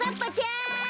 ん？